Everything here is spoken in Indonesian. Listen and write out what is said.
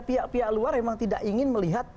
pihak pihak luar memang tidak ingin melihat